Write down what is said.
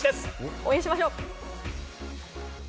応援しましょう。